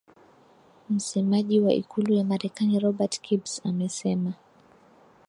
msemaji wa ikulu ya marekani robert kibs amesema